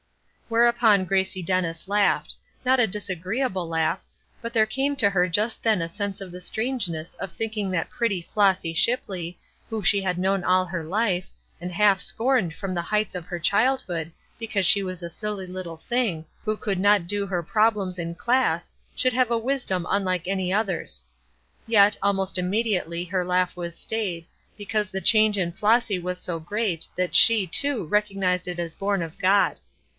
Whereupon Gracie Dennis laughed; not a disagreeable laugh, but there came to her just then a sense of the strangeness of thinking that pretty Flossy Shipley, whom she had known all her life, and half scorned from the heights of her childhood because she was a silly little thing, who could not do her problems in class, should have a wisdom unlike any others. Yet, almost immediately her laugh was stayed, because the change in Flossy was so great that she, too, recognized it as born of God.